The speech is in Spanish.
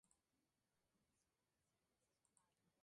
Correspondía aproximadamente a la mayoría del valle de Ferganá.